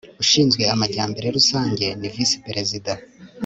ushinzwe amajyambere rusange ni visiperezida